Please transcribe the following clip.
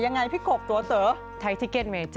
ยังไงพี่กบตัวเต๋อ